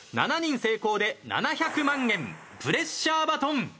７人成功で７００万円プレッシャーバトン。